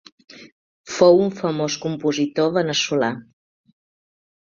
Fou un famós compositor veneçolà.